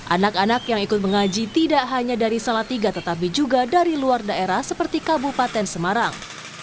anak anak yang ikut mengaji tidak hanya dari salatiga tetapi juga dari luar daerah seperti kabupaten semarang